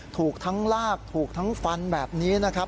ถูกทั้งลากถูกทั้งฟันแบบนี้นะครับ